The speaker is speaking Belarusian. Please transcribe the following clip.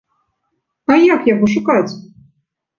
А як яго шукаць?